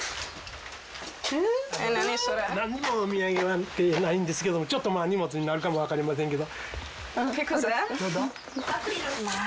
何もお土産はないんですけどもちょっと荷物になるかもわかりませんけど。